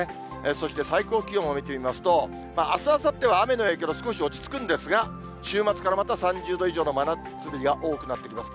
そして、最高気温を見てみますと、あす、あさっては雨の影響で少し落ち着くんですが、週末からまた３０度以上の真夏日が多くなってきます。